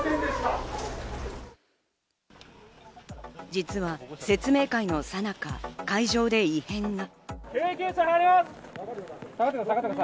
実は説明会のさなか、会場で異変が。